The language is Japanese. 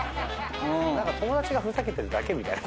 友達がふざけてるだけみたいな。